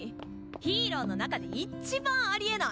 ヒーローの中でいっちばんありえない！